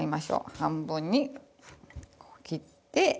半分に切って。